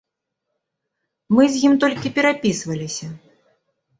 Мы з ім толькі перапісваліся.